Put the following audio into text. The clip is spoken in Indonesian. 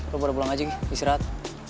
lo pada pulang aja kik istirahat